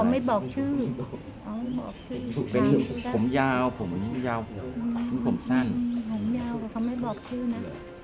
เขาไม่บอกชื่อผมยาวผมยาวผมสั้นผมยาวเขาไม่บอกชื่อนะ